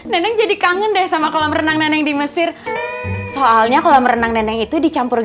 neneng jadi kangen deh sama kolam renang neneng di mesir soalnya kolam renang neneng itu dicampur